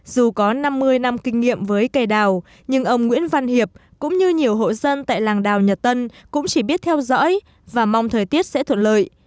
dù có năm mươi năm kinh nghiệm với cây đào nhưng ông nguyễn văn hiệp cũng như nhiều hộ dân tại làng đào nhật tân cũng chỉ biết theo dõi và mong thời tiết sẽ thuận lợi